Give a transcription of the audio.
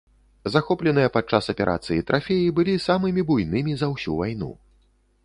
Захопленыя падчас аперацыі трафеі былі самымі буйнымі за ўсю вайну.